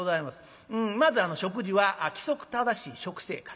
まず食事は規則正しい食生活。